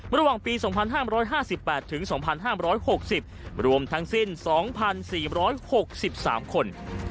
ระหว่างปี๒๕๕๘๒๕๖๐รวมทั้งสิ้น๒๔๖๓คน